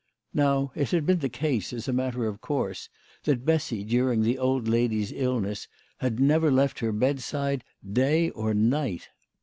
Now, it had been the case, as a matter of course, that Bessy, during the old lady's illness, had never left her bedside day or night.